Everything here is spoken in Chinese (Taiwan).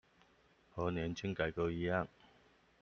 和年金改革一樣